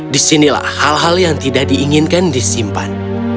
di sinilah hal hal yang tidak diinginkan disimpan